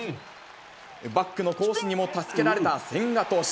バックの好守にも助けられた千賀投手。